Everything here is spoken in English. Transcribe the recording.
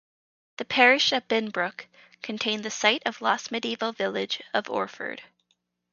The parish of Binbrook contains the site of the lost medieval village of Orford.